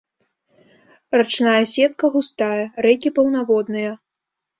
Рачная сетка густая, рэкі паўнаводныя.